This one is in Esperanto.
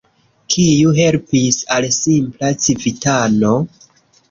Kiu helpis al simpla civitano?